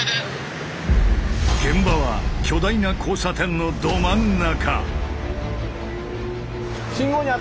現場は巨大な交差点のど真ん中！